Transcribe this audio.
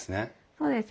そうです。